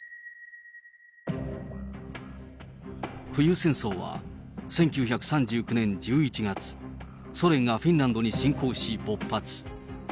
冬戦争は、１９３９年１１月、ソ連がフィンランドに侵攻し、勃発。